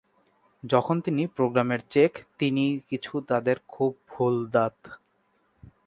যখন তিনি প্রোগ্রামের চেক, তিনি কিছু তাদের খুব ভুল দাঁত।